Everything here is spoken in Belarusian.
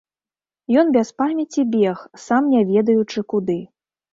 Ён без памяці бег, сам не ведаючы куды.